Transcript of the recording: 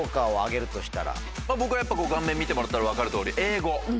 僕はやっぱ顔面見てもらったら分かる通り。